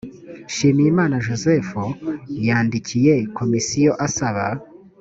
nshimiyimana joseph yandikiye komisiyo asaba